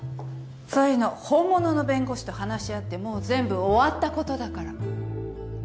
そういうの本物の弁護士と話し合ってもう全部終わったことだから。